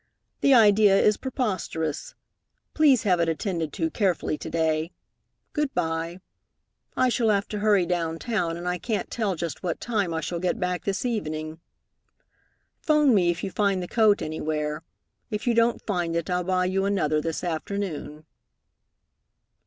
The idea is preposterous. Please have it attended to carefully to day. Good by. I shall have to hurry down town, and I can't tell just what time I shall get back this evening. 'Phone me if you find the coat anywhere. If you don't find it, I'll buy you another this afternoon."